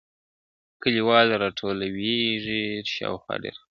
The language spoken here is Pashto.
کليوال راټولېږي شاوخوا ډېر خلک,